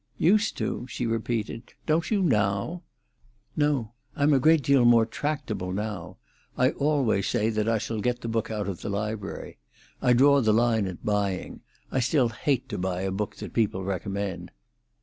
"Used to?" she repeated. "Don't you now?" "No; I'm a great deal more tractable now. I always say that I shall get the book out of the library. I draw the line at buying. I still hate to buy a book that people recommend."